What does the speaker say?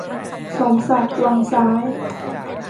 สมศักดิ์ วังซ้าย